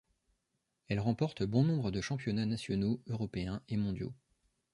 Elle remporte bon nombre de championnats nationaux, européens et mondiaux.